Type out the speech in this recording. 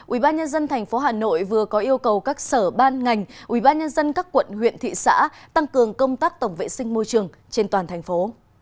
ubnd tp hà nội vừa có yêu cầu các sở ban ngành ubnd các quận huyện thị xã tăng cường công tác tổng vệ sinh môi trường trên toàn thành phố